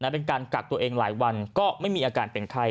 เป็นการกักตัวเองหลายวันก็ไม่มีอาการเป็นไข้